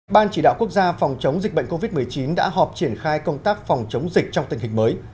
ban chỉ đạo quốc gia phòng chống dịch bệnh covid một mươi chín đã họp triển khai công tác phòng chống dịch trong tình hình mới